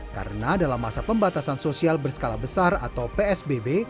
karena dalam masa pembatasan sosial berskala besar atau psbb